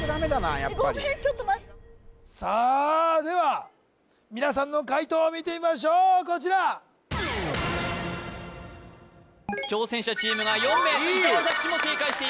やっぱりごめんちょっと待ってさあでは皆さんの解答を見てみましょうこちら挑戦者チームが４名伊沢拓司も正解しています